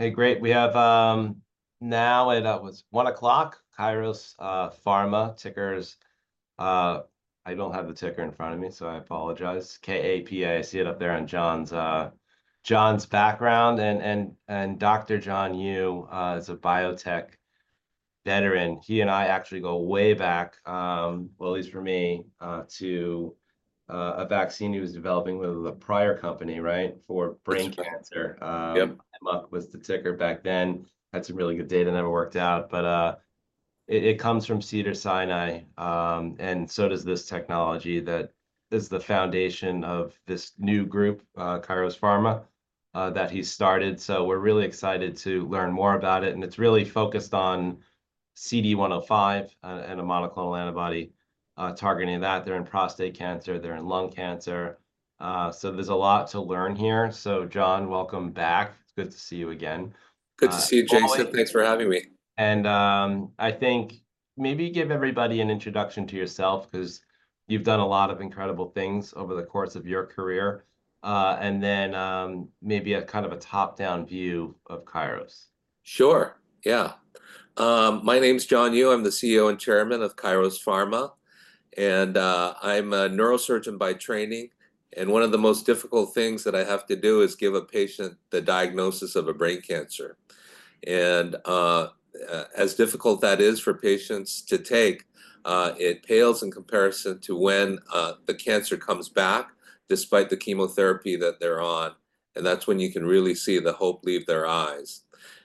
Hey, great. We have, now I know it's 1:00 P.M., Kairos Pharma. Ticker is, I don't have the ticker in front of me, so I apologize. KAPA, I see it up there on John's background. And Dr. John Yu is a biotech veteran. He and I actually go way back, well, at least for me, to a vaccine he was developing with a prior company, right, for brain cancer. Yep. Was the ticker back then. Had some really good data, never worked out, but it comes from Cedars-Sinai, and so does this technology that is the foundation of this new group, Kairos Pharma, that he started, so we're really excited to learn more about it, and it's really focused on CD105 and a monoclonal antibody targeting that. They're in prostate cancer, they're in lung cancer, so there's a lot to learn here, so John, welcome back. It's good to see you again. Good to see you, Jason. How are you? Thanks for having me. I think maybe give everybody an introduction to yourself, 'cause you've done a lot of incredible things over the course of your career, and then maybe a kind of a top-down view of Kairos. Sure, yeah. My name's John Yu. I'm the CEO and Chairman of Kairos Pharma, and I'm a neurosurgeon by training. And one of the most difficult things that I have to do is give a patient the diagnosis of a brain cancer. And as difficult that is for patients to take, it pales in comparison to when the cancer comes back despite the chemotherapy that they're on, and that's when you can really see the hope leave their eyes.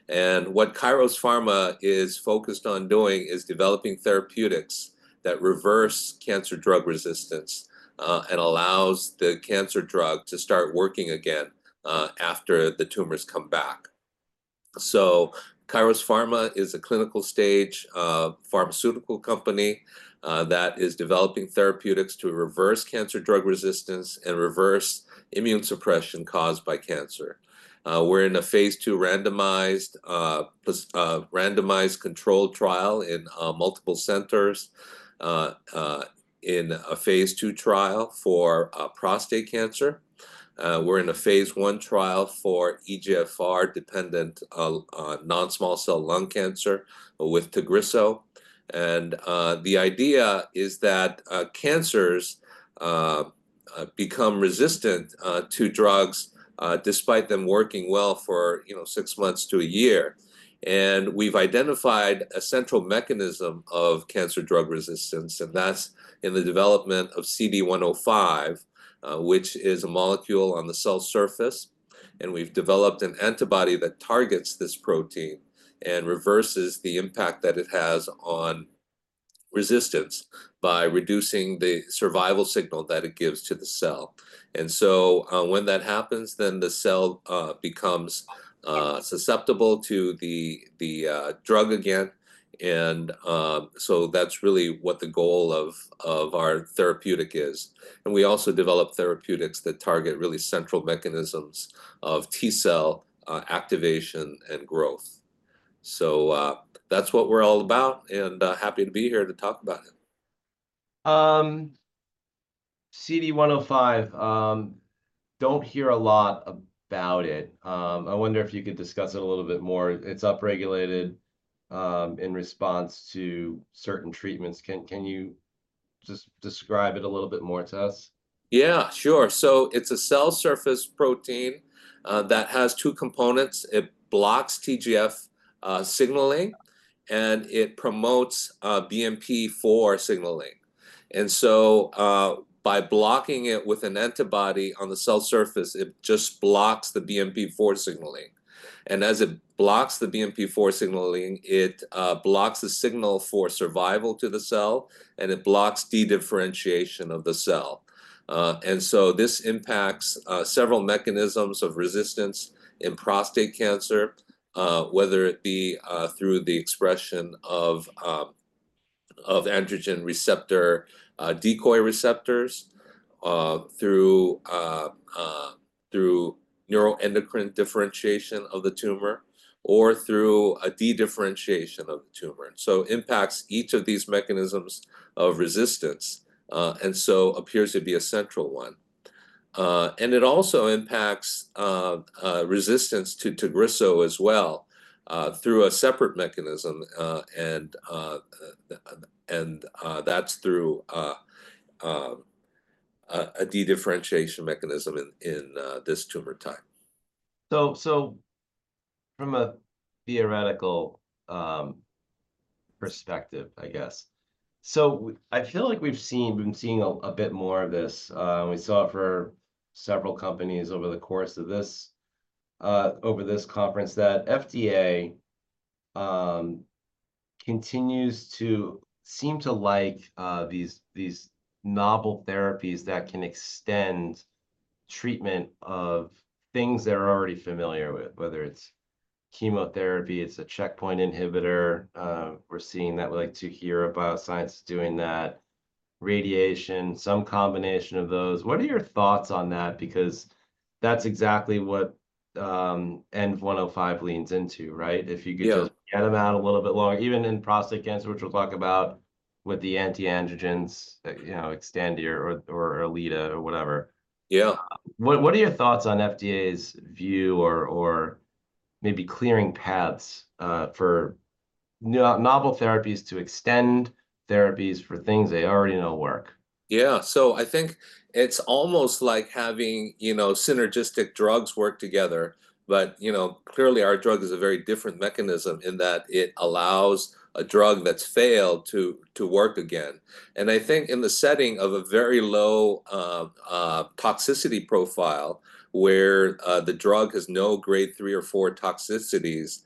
And what Kairos Pharma is focused on doing is developing therapeutics that reverse cancer drug resistance, and allows the cancer drug to start working again after the tumors come back. So Kairos Pharma is a clinical stage pharmaceutical company that is developing therapeutics to reverse cancer drug resistance, and reverse immune suppression caused by cancer. We're in a phase 2 randomized controlled trial in multiple centers in a phase 2 trial for prostate cancer. We're in a phase 1 trial for EGFR-dependent non-small cell lung cancer with Tagrisso. And the idea is that cancers become resistant to drugs despite them working well for, you know, six months to a year. And we've identified a central mechanism of cancer drug resistance, and that's in the development of CD105, which is a molecule on the cell surface, and we've developed an antibody that targets this protein and reverses the impact that it has on resistance, by reducing the survival signal that it gives to the cell. And so, when that happens, then the cell becomes susceptible to the drug again, and so that's really what the goal of our therapeutic is. And we also develop therapeutics that target really central mechanisms of T cell activation and growth. So, that's what we're all about, and happy to be here to talk about it. CD105, don't hear a lot about it. I wonder if you could discuss it a little bit more. It's upregulated in response to certain treatments. Can you just describe it a little bit more to us? Yeah, sure. So it's a cell surface protein that has two components. It blocks TGF signaling, and it promotes BMP4 signaling. And so by blocking it with an antibody on the cell surface, it just blocks the BMP4 signaling. And as it blocks the BMP4 signaling, it blocks the signal for survival to the cell, and it blocks dedifferentiation of the cell. And so this impacts several mechanisms of resistance in prostate cancer, whether it be through the expression of androgen receptor decoy receptors, through neuroendocrine differentiation of the tumor, or through a dedifferentiation of the tumor. And so impacts each of these mechanisms of resistance, and so appears to be a central one. And it also impacts resistance to Tagrisso as well through a separate mechanism, and that's through a dedifferentiation mechanism in this tumor type. From a theoretical perspective, I guess. So I feel like we've seen, been seeing a bit more of this. We saw it for several companies over the course of this conference, that FDA continues to seem to like these novel therapies that can extend treatment of things they're already familiar with, whether it's chemotherapy, it's a checkpoint inhibitor, we're seeing that with like TuHURA Biosciences is doing that, radiation, some combination of those. What are your thoughts on that? Because that's exactly what ENV105 leans into, right? Yeah. If you could just get them out a little bit long, even in prostate cancer, which we'll talk about... with the anti-androgens, you know, Xtandi or, Erleada or whatever. Yeah. What are your thoughts on FDA's view or maybe clearing paths for novel therapies to extend therapies for things they already know work? Yeah, so I think it's almost like having, you know, synergistic drugs work together. But, you know, clearly our drug is a very different mechanism in that it allows a drug that's failed to work again. And I think in the setting of a very low toxicity profile, where the drug has no grade three or four toxicities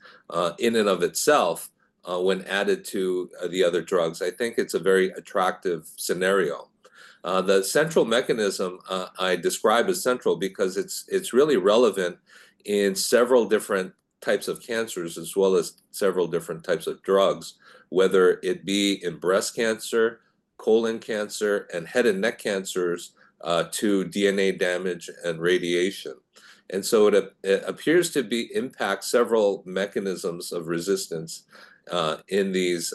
in and of itself, when added to the other drugs, I think it's a very attractive scenario. The central mechanism I describe as central because it's really relevant in several different types of cancers, as well as several different types of drugs, whether it be in breast cancer, colon cancer, and head and neck cancers to DNA damage and radiation. And so it appears to be impact several mechanisms of resistance in these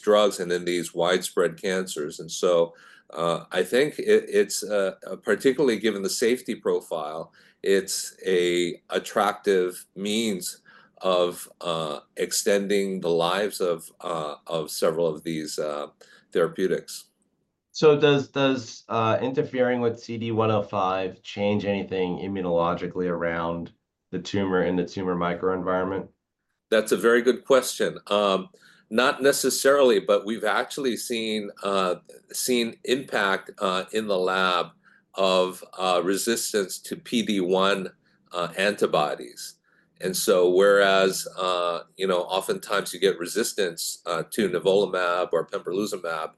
drugs and in these widespread cancers. And so I think it's particularly given the safety profile it's a attractive means of extending the lives of several of these therapeutics. Does interfering with CD105 change anything immunologically around the tumor and the tumor microenvironment? That's a very good question. Not necessarily, but we've actually seen impact in the lab of resistance to PD-1 antibodies. And so whereas, you know, oftentimes you get resistance to nivolumab or pembrolizumab,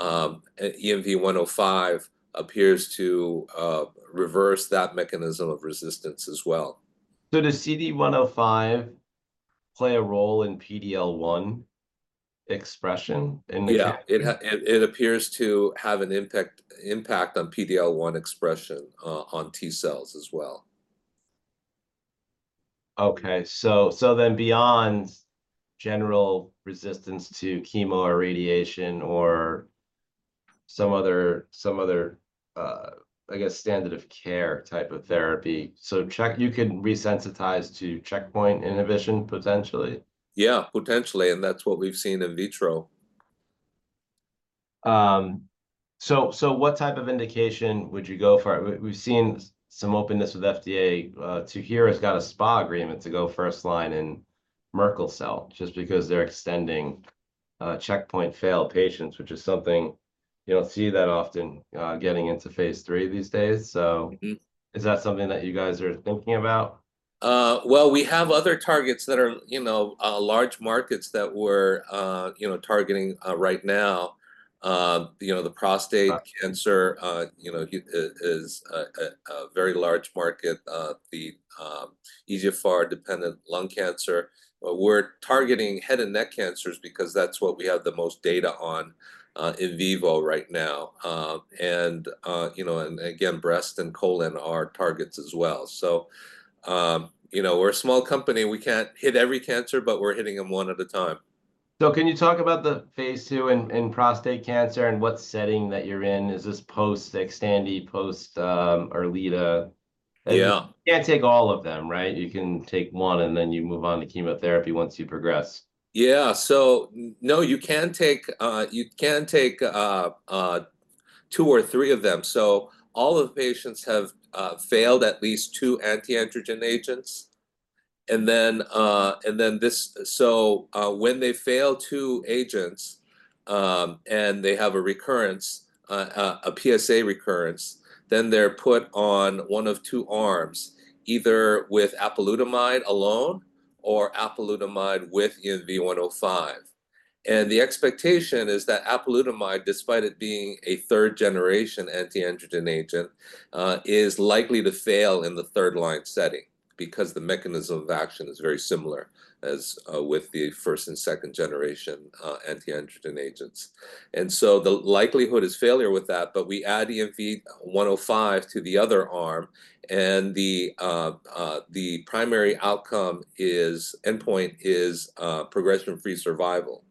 ENV105 appears to reverse that mechanism of resistance as well. So does CD105 play a role in PD-L1 expression in the- Yeah, it appears to have an impact on PD-L1 expression on T-cells as well. Okay, so then beyond general resistance to chemo or radiation or some other, I guess, standard of care type of therapy, so you can resensitize to checkpoint inhibition, potentially? Yeah, potentially, and that's what we've seen in vitro. So what type of indication would you go for? We've seen some openness with FDA. TuHURA has got a SPA agreement to go first-line in Merkel cell, just because they're extending checkpoint-failed patients, which is something you don't see that often, getting into phase III these days. So- Mm-hmm... is that something that you guys are thinking about? Well, we have other targets that are, you know, large markets that we're, you know, targeting, right now. You know, the prostate cancer- Right... you know, is a very large market, the EGFR-dependent lung cancer. But we're targeting head and neck cancers because that's what we have the most data on, in vivo right now. And you know, and again, breast and colon are targets as well. You know, we're a small company, we can't hit every cancer, but we're hitting them one at a time. Can you talk about the phase II in prostate cancer, and what setting that you're in? Is this post-Xtandi, post Erleada? Yeah. You can't take all of them, right? You can take one, and then you move on to chemotherapy once you progress. Yeah. So no, you can take two or three of them. So all the patients have failed at least two anti-androgen agents. And then this- so, when they fail two agents, and they have a recurrence, a PSA recurrence, then they're put on one of two arms, either with apalutamide alone or apalutamide with ENV105. And the expectation is that apalutamide, despite it being a third-generation anti-androgen agent, is likely to fail in the third line setting, because the mechanism of action is very similar as with the first and second generation anti-androgen agents. And so the likelihood is failure with that, but we add ENV105 to the other arm, and the primary outcome is, endpoint is, progression-free survival.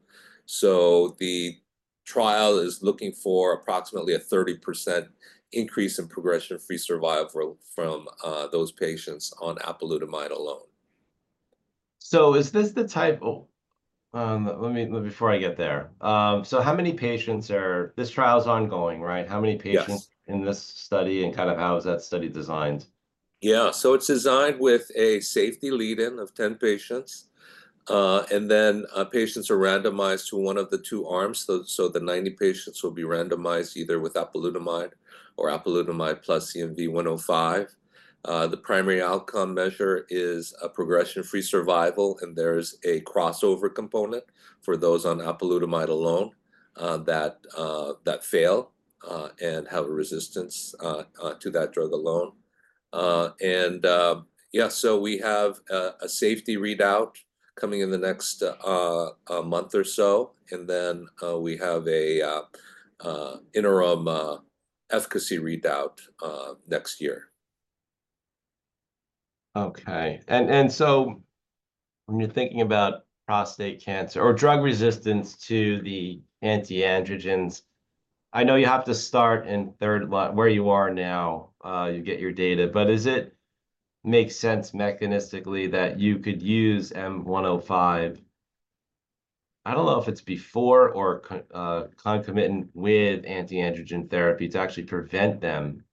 So the trial is looking for approximately 30% increase in progression-free survival from those patients on apalutamide alone. Oh, let me before I get there. So how many patients are... This trial is ongoing, right? How many patients... Yes... in this study, and kind of how is that study designed? Yeah. So it's designed with a safety lead-in of ten patients. And then patients are randomized to one of the two arms. So the 90 patients will be randomized either with apalutamide or apalutamide plus ENV105. The primary outcome measure is progression-free survival, and there's a crossover component for those on apalutamide alone that fail and have a resistance to that drug alone. And yeah, so we have a safety readout coming in the next month or so. And then we have an interim efficacy readout next year. Okay, and so when you're thinking about prostate cancer or drug resistance to the anti-androgens, I know you have to start in third line where you are now, you get your data. But does it make sense mechanistically that you could use ENV105, I don't know if it's before or concomitant with anti-androgen therapy to actually prevent them?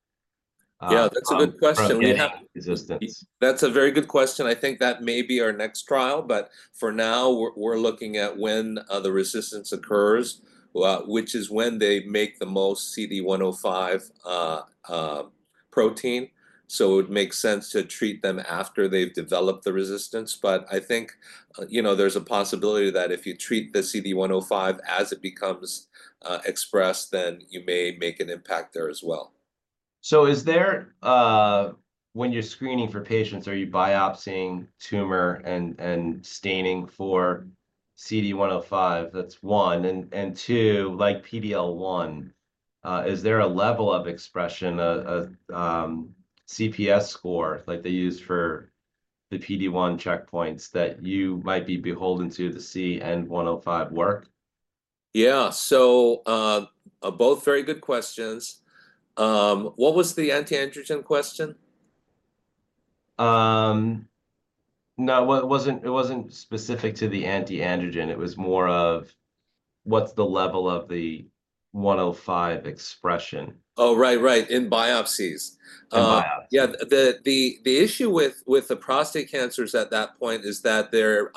Yeah, that's a good question. From getting resistance. That's a very good question. I think that may be our next trial, but for now, we're looking at when the resistance occurs, which is when they make the most CD105 protein. So it would make sense to treat them after they've developed the resistance. But I think, you know, there's a possibility that if you treat the CD105 as it becomes expressed, then you may make an impact there as well. So is there, when you're screening for patients, are you biopsying tumor and staining for CD105? That's one. And two, like PD-L1, is there a level of expression, a CPS score, like they use for the PD-1 checkpoints, that you might be beholden to see ENV105 work? Yeah, so, both very good questions. What was the anti-androgen question? No, well, it wasn't specific to the anti-androgen. It was more of, what's the level of the 105 expression? Oh, right, right, in biopsies. In biopsies. Yeah, the issue with the prostate cancers at that point is that their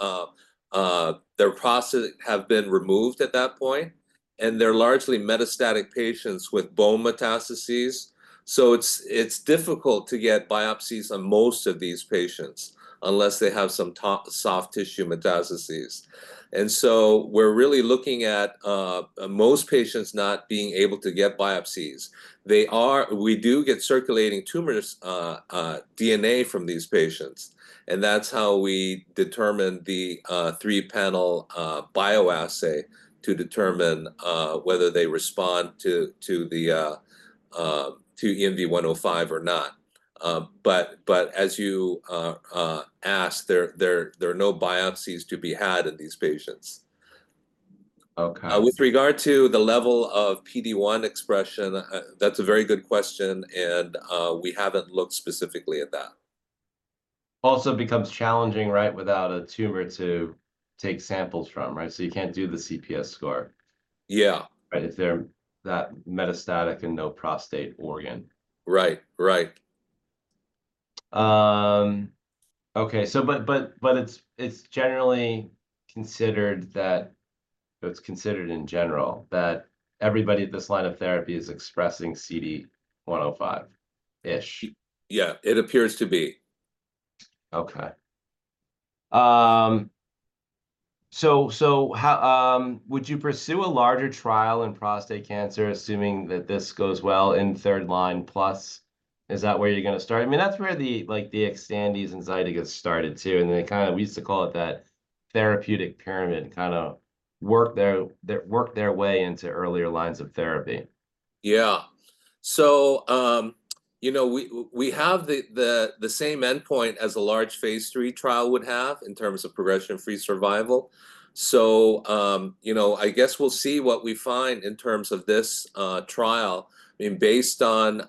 prostate have been removed at that point, and they're largely metastatic patients with bone metastases. So it's difficult to get biopsies on most of these patients, unless they have some top soft tissue metastases. And so we're really looking at most patients not being able to get biopsies. We do get circulating tumor DNA from these patients, and that's how we determine the three-panel bioassay to determine whether they respond to the ENV105 or not. But as you ask, there are no biopsies to be had in these patients. Okay. With regard to the level of PD1 expression, that's a very good question, and we haven't looked specifically at that. Also becomes challenging, right, without a tumor to take samples from, right? So you can't do the CPS score. Yeah. Right, if they're that metastatic and no prostate organ. Right. Right. But it's considered in general that everybody at this line of therapy is expressing CD105-ish. Yeah, it appears to be. Okay. So how would you pursue a larger trial in prostate cancer, assuming that this goes well in third line plus? Is that where you're gonna start? I mean, that's where the, like, the Xtandi and Zytiga started, too, and they kinda... We used to call it that therapeutic pyramid, kinda worked their way into earlier lines of therapy. Yeah, so you know, we have the same endpoint as a large phase 3 trial would have in terms of progression-free survival, so you know, I guess we'll see what we find in terms of this trial. I mean, based on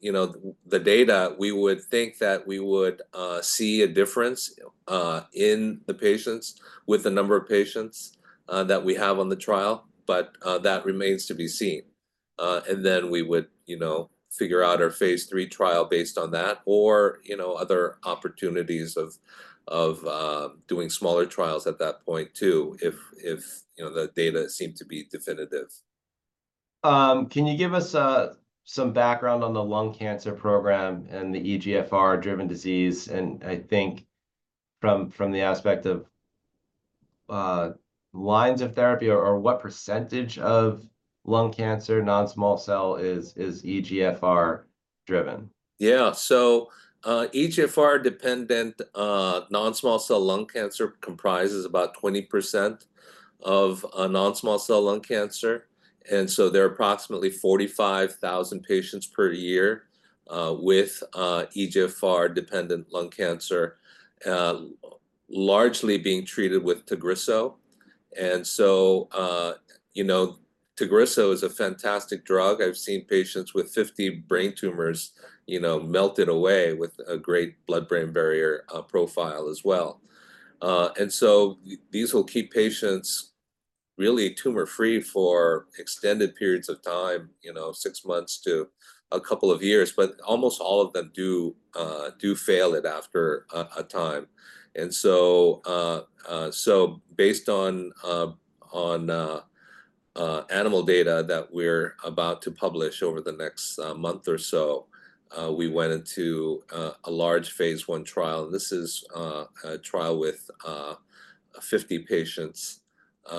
you know, the data, we would think that we would see a difference in the patients with the number of patients that we have on the trial, but that remains to be seen, and then we would you know, figure out our phase 3 trial based on that, or you know, other opportunities of doing smaller trials at that point, too, if you know, the data seem to be definitive. Can you give us some background on the lung cancer program and the EGFR-driven disease? And I think from the aspect of lines of therapy or what percentage of lung cancer, non-small cell, is EGFR-driven? Yeah, so EGFR-dependent non-small cell lung cancer comprises about 20% of non-small cell lung cancer, and so there are approximately 45,000 patients per year with EGFR-dependent lung cancer largely being treated with Tagrisso, and so you know, Tagrisso is a fantastic drug. I've seen patients with 50 brain tumors, you know, melted away with a great blood-brain barrier profile as well, and so these will keep patients really tumor-free for extended periods of time, you know, six months to a couple of years, but almost all of them do fail it after a time, and so based on animal data that we're about to publish over the next month or so, we went into a large phase 1 trial. This is a trial with 50 patients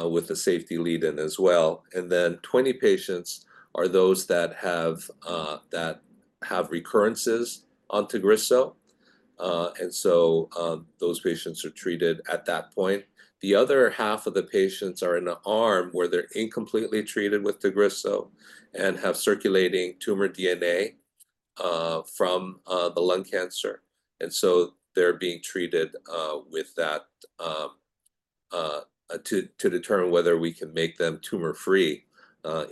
with a safety lead-in as well, and then 20 patients are those that have recurrences on Tagrisso, and so those patients are treated at that point. The other half of the patients are in an arm where they're incompletely treated with Tagrisso and have circulating tumor DNA from the lung cancer, and so they're being treated with that to determine whether we can make them tumor-free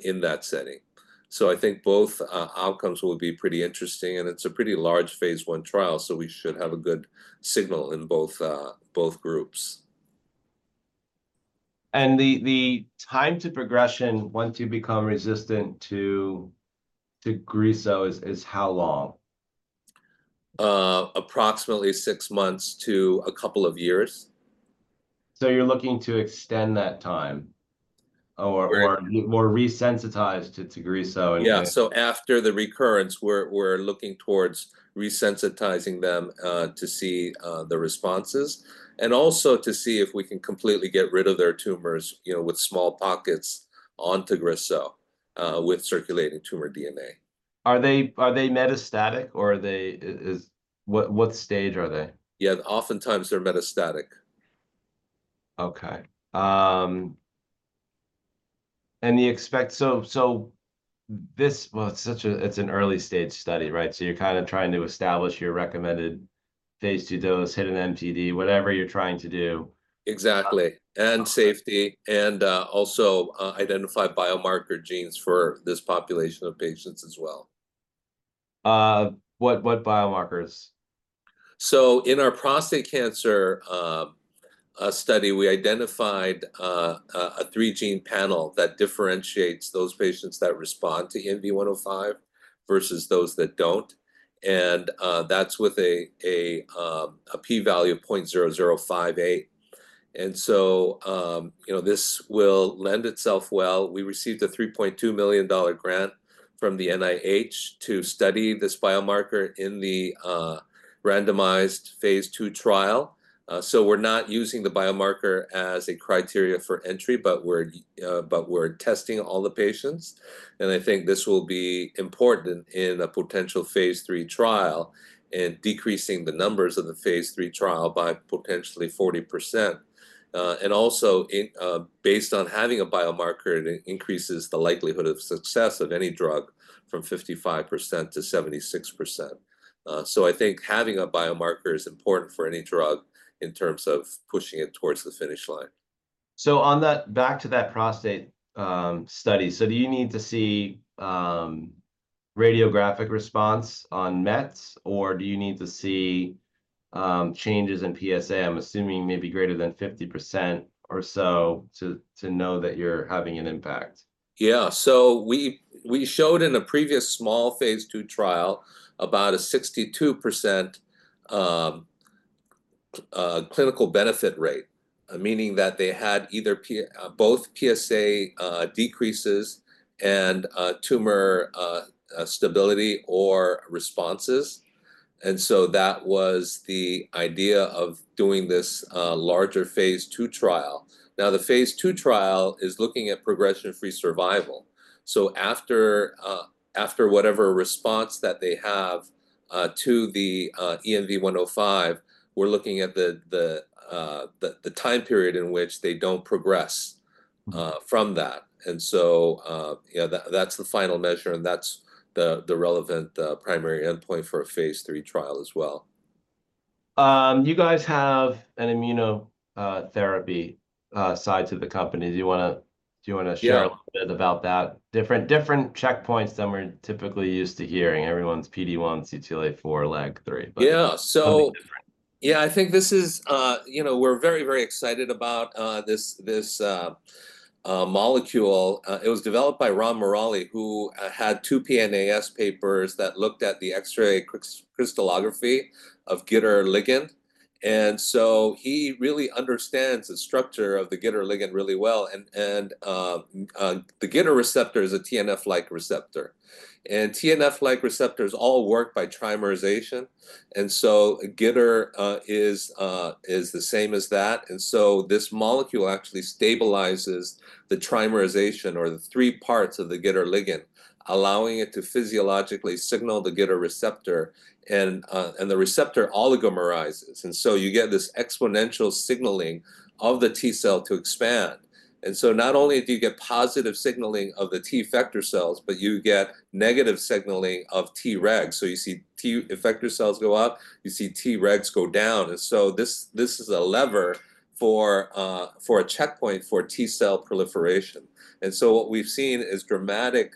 in that setting, so I think both outcomes will be pretty interesting, and it's a pretty large phase 1 trial, so we should have a good signal in both groups. The time to progression once you become resistant to Tagrisso is how long? Approximately six months to a couple of years. So you're looking to extend that time, or- Right... or re-sensitize to Tagrisso and- Yeah, so after the recurrence, we're looking towards re-sensitizing them to see the responses, and also to see if we can completely get rid of their tumors, you know, with small pockets on Tagrisso, with circulating tumor DNA. Are they metastatic, or are they what stage are they? Yeah, oftentimes they're metastatic. Okay. And you expect... So, it's an early stage study, right? So you're kind of trying to establish your recommended phase 2 dose, hit an MTD, whatever you're trying to do. Exactly. Um- And safety, and also identify biomarker genes for this population of patients as well. What biomarkers? So in our prostate cancer study, we identified a three-gene panel that differentiates those patients that respond to ENV105 versus those that don't, and that's with a P value of 0.0058. So you know, this will lend itself well. We received a $3.2 million grant from the NIH to study this biomarker in the randomized phase two trial. So we're not using the biomarker as a criteria for entry, but we're testing all the patients, and I think this will be important in a potential phase three trial, in decreasing the numbers of the phase three trial by potentially 40%. And also based on having a biomarker, it increases the likelihood of success of any drug from 55% to 76%. So I think having a biomarker is important for any drug in terms of pushing it towards the finish line. Back to that prostate study, do you need to see radiographic response on Mets, or do you need to see changes in PSA? I'm assuming maybe greater than 50% or so to know that you're having an impact. Yeah, so we showed in a previous small phase 2 trial about a 62% clinical benefit rate, meaning that they had either both PSA decreases and tumor stability or responses. So that was the idea of doing this larger phase 2 trial. Now, the phase 2 trial is looking at progression-free survival. So after whatever response that they have to the ENV105, we're looking at the time period in which they don't progress- Mm... from that, and so, yeah, that that's the final measure, and that's the relevant primary endpoint for a phase 3 trial as well. You guys have an immunotherapy side to the company. Do you wanna share- Yeah... a little bit about that? Different checkpoints than we're typically used to hearing. Everyone's PD-1, CTLA-4, LAG-3, but- Yeah, so- Something different. Yeah, I think this is, you know, we're very, very excited about this, this molecule. It was developed by Ram Murali, who had two PNAS papers that looked at the X-ray crystallography of GITR ligand. And so he really understands the structure of the GITR ligand really well, and the GITR receptor is a TNF-like receptor, and TNF-like receptors all work by trimerization, and so GITR is the same as that. And so this molecule actually stabilizes the trimerization, or the three parts of the GITR ligand, allowing it to physiologically signal the GITR receptor, and the receptor oligomerizes. And so you get this exponential signaling of the T cell to expand. And so not only do you get positive signaling of the T effector cells, but you get negative signaling of T regs. So you see T-effector cells go up, you see T-regs go down, and so this is a lever for a checkpoint for T-cell proliferation. And so what we've seen is dramatic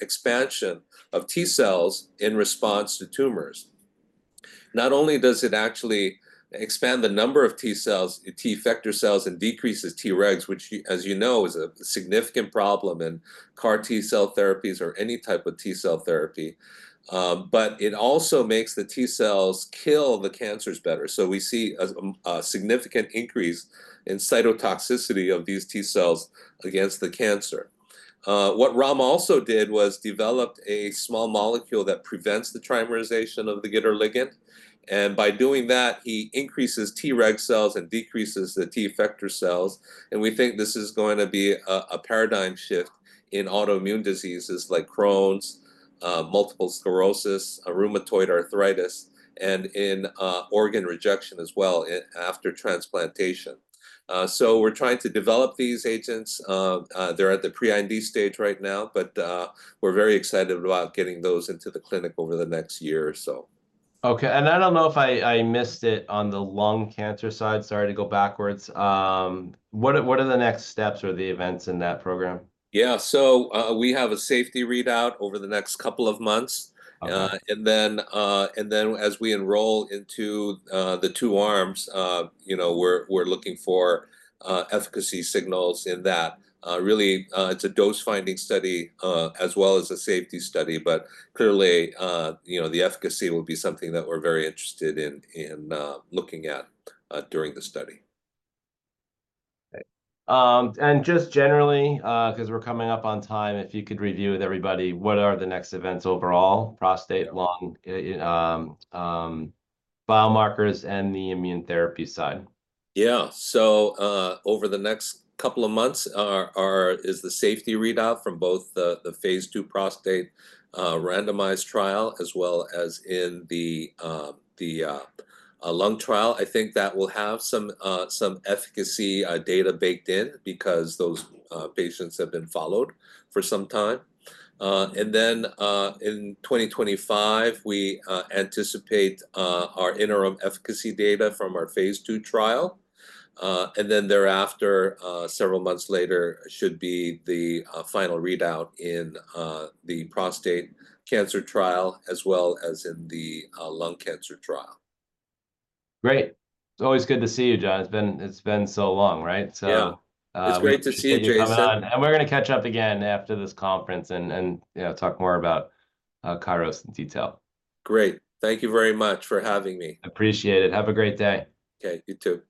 expansion of T-cells in response to tumors. Not only does it actually expand the number of T-cells, T-effector cells, and decreases T-regs, which, as you know, is a significant problem in CAR-T cell therapies or any type of T-cell therapy, but it also makes the T-cells kill the cancers better. So we see a significant increase in cytotoxicity of these T-cells against the cancer. What Ram also did was developed a small molecule that prevents the trimerization of the GITR ligand, and by doing that, he increases T-reg cells and decreases the T effector cells, and we think this is going to be a paradigm shift in autoimmune diseases like Crohn's, multiple sclerosis, rheumatoid arthritis, and organ rejection as well after transplantation. So we're trying to develop these agents. They're at the pre-IND stage right now, but we're very excited about getting those into the clinic over the next year or so.... Okay, and I don't know if I missed it on the lung cancer side. Sorry to go backwards. What are the next steps or the events in that program? Yeah, so, we have a safety readout over the next couple of months. Okay. And then as we enroll into the two arms, you know, we're looking for efficacy signals in that. Really, it's a dose-finding study, as well as a safety study, but clearly, you know, the efficacy will be something that we're very interested in, in looking at during the study. Great. And just generally, 'cause we're coming up on time, if you could review with everybody what are the next events overall, prostate, lung, biomarkers, and the immune therapy side? Yeah. So, over the next couple of months is the safety readout from both the phase 2 prostate randomized trial, as well as in the lung trial. I think that will have some efficacy data baked in, because those patients have been followed for some time. And then, in 2025, we anticipate our interim efficacy data from our phase 2 trial. And then thereafter, several months later, should be the final readout in the prostate cancer trial, as well as in the lung cancer trial. Great. It's always good to see you, John. It's been so long, right? So, Yeah. It's great to see you, Jason. Thank you for coming on, and we're gonna catch up again after this conference, and you know, talk more about Kairos in detail. Great. Thank you very much for having me. Appreciate it. Have a great day! Okay, you too.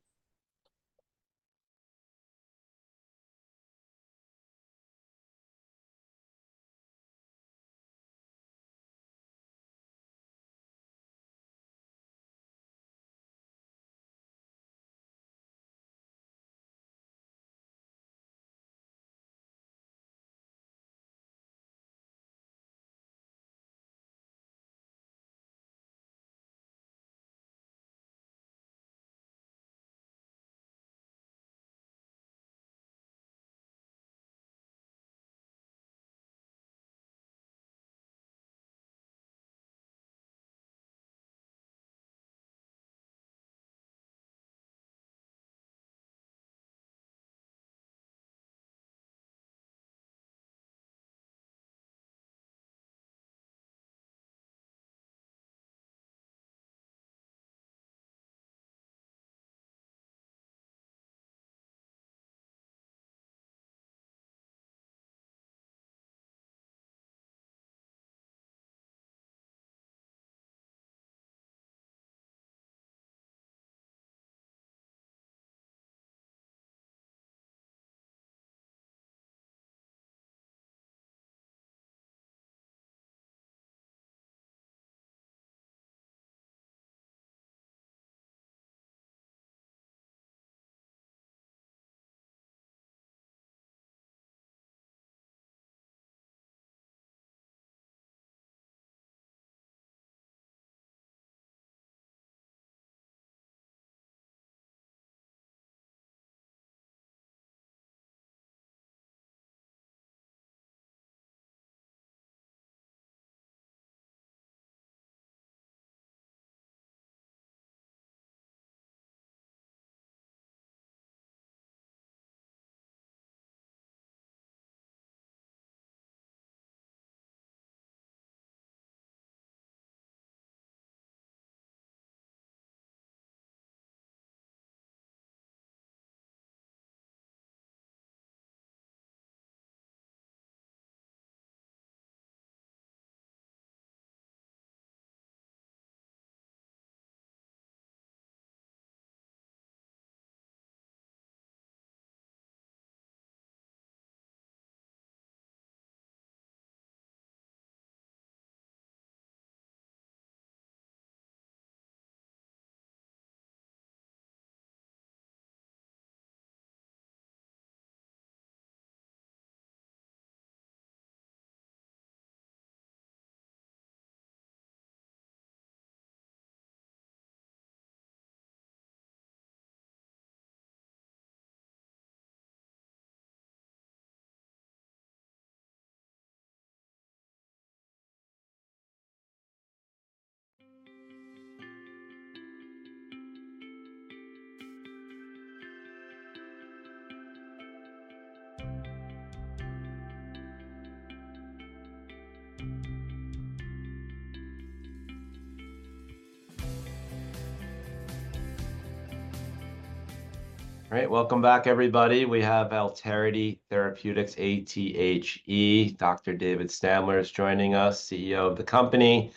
All right, welcome back, everybody. We have Alterity Therapeutics, A-T-H. Dr. David Stamler is joining us, CEO of the company.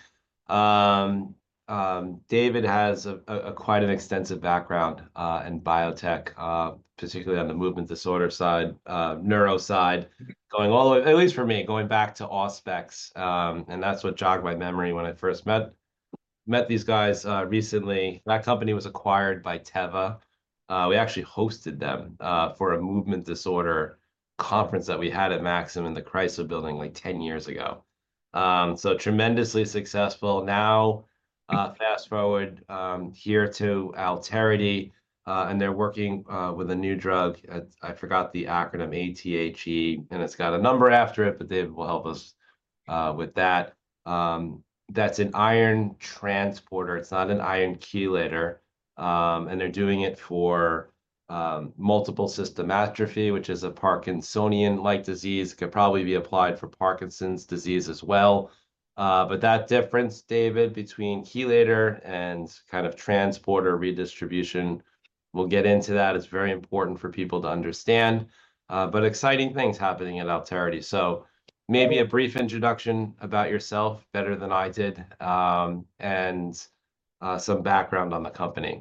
David has quite an extensive background in biotech, particularly on the movement disorder side, neuro side, going all the way—at least for me, going back to Auspex. And that's what jogged my memory when I first met these guys recently. That company was acquired by Teva. We actually hosted them for a movement disorder conference that we had at Maxim in the Chrysler Building, like, 10 years ago. So tremendously successful. Now, fast-forward here to Alterity, and they're working with a new drug. I forgot the acronym, ATH, and it's got a number after it, but David will help us with that. That's an iron transporter. It's not an iron chelator, and they're doing it for multiple system atrophy, which is a Parkinsonian-like disease. Could probably be applied for Parkinson's disease as well. But that difference, David, between chelator and kind of transporter redistribution, we'll get into that. It's very important for people to understand. But exciting things happening at Alterity, so maybe a brief introduction about yourself, better than I did, and some background on the company.